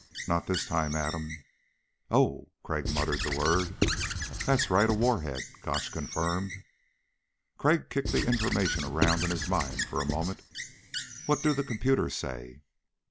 "Not this time, Adam." "Oh ..." Crag muttered the word. "That's right ... a warhead," Gotch confirmed. Crag kicked the information around in his mind for a moment. "What do the computers say?"